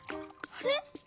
あれ？